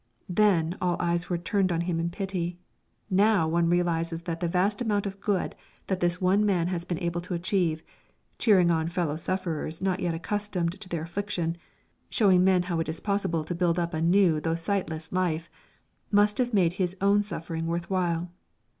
Then all eyes were turned on him in pity; now one realises that the vast amount of good that this one man has been able to achieve cheering on fellow sufferers not yet accustomed to their affliction, showing men how it is possible to build up a new though sightless life must have made his own suffering worth while.